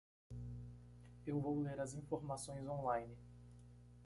Eu vou ler as informações online.